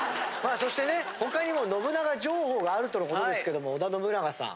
そしてね他にも信長情報があるとのことですけども織田信長さん